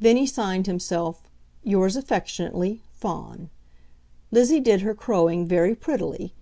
Then he signed himself "yours affectionately, Fawn." Lizzie did her crowing very prettily.